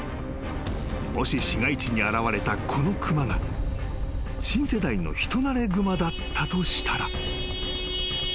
［もし市街地に現れたこの熊が新世代の人慣れグマだったとしたら］